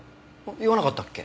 言わなかったっけ？